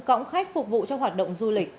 cõng khách phục vụ cho hoạt động du lịch